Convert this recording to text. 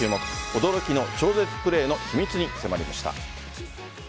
驚きの超絶プレーの秘密に迫りました。